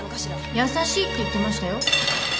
優しいって言ってましたよ。